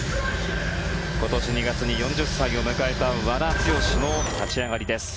今年２月に４０歳を迎えた和田毅の立ち上がりです。